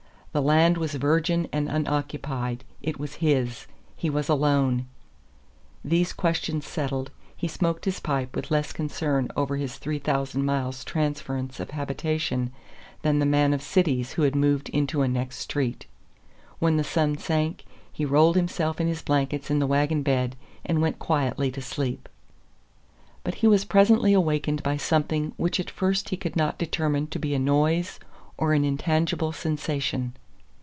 The land was virgin and unoccupied; it was his; he was alone. These questions settled, he smoked his pipe with less concern over his three thousand miles' transference of habitation than the man of cities who had moved into a next street. When the sun sank, he rolled himself in his blankets in the wagon bed and went quietly to sleep. But he was presently awakened by something which at first he could not determine to be a noise or an intangible sensation.